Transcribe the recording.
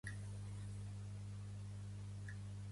La seu del comtat és Helena-West Helena.